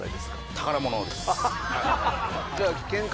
宝物です！